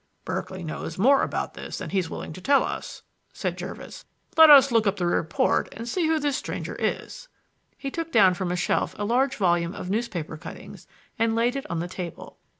"Berkeley knows more about this than he's telling us," said Jervis. "Let us look up the report and see who this stranger is." He took down from a shelf a large volume of newspaper cuttings and laid it on the table.